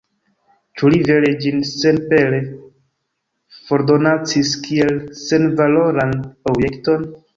Ĉu li vere ĝin senpere fordonacis, kiel senvaloran objekton?